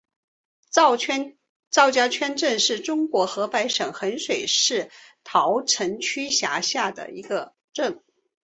赵家圈镇是中国河北省衡水市桃城区下辖的一个镇。